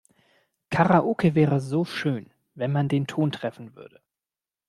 Karaoke wäre so schön, wenn man den Ton treffen würde.